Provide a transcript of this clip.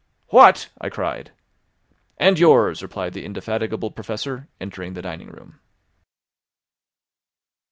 "What?" I cried. "And yours!" replied the indefatigable Professor, entering the dining room.